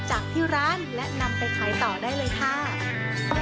จากที่ร้านและนำไปขายต่อได้เลยค่ะ